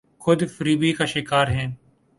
خود فریبی کا شکارہیں۔